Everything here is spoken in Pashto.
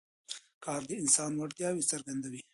کار د انسان وړتیاوې څرګندوي